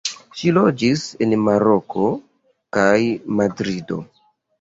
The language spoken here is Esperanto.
Ŝi loĝis en Maroko kaj Madrido.